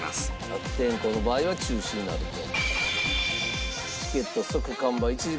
悪天候の場合は中止になると。